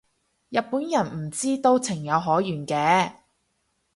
日本人唔知都情有可原嘅